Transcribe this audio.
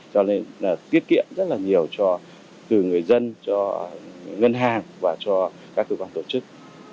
cho nên là tiết kiệm rất là nhiều cho từ người dân cho ngân hàng và cho các cơ quan tổ chức